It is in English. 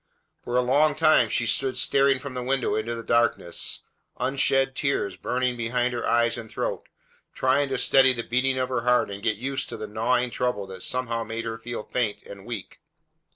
For a long time she stood staring from the window into the darkness, unshed tears burning behind her eyes and throat, trying to steady the beating of her heart and get used to the gnawing trouble that somehow made her feel faint and weak.